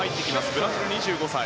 ブラジルの２５歳。